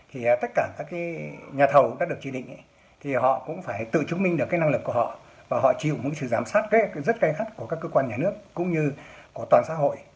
họ chịu những sự giám sát rất gây khắc của các cơ quan nhà nước cũng như của toàn xã hội